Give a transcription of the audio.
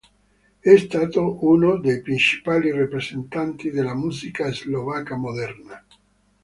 È stato uno dei principali rappresentanti della musica slovacca moderna.